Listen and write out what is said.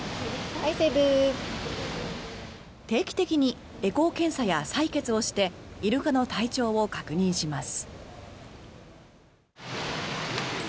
定期的にエコー検査や採血をしてイルカの体調を確認します。